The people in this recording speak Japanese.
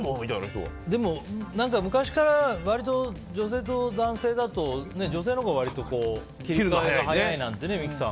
昔から割と、女性と男性だと女性のほうが割と切り替えが早いなんて言いますよね、三木さん。